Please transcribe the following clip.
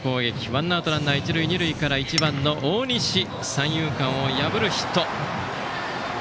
ワンアウトランナー、一塁二塁から１番の大西、三遊間を破るヒット。